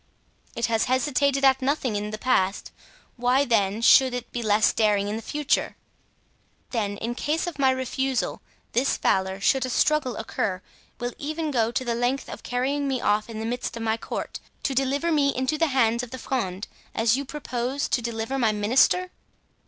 "It has hesitated at nothing in the past; why, then, should it be less daring in the future?" "Then, in case of my refusal, this valor, should a struggle occur, will even go the length of carrying me off in the midst of my court, to deliver me into the hands of the Fronde, as you propose to deliver my minister?"